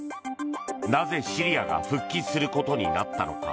なぜ、シリアが復帰することになったのか。